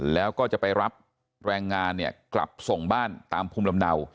แล้วก็จะไปรับแรงงานเนี่ยกลับส่งบ้านตามภูมิลำเนา